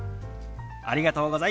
ありがとうございます。